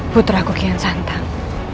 putra ku kian santang